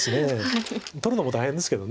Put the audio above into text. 取るのも大変ですけど。